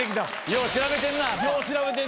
よう調べてんな。